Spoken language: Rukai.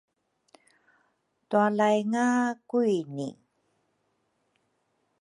Twalaynga kwini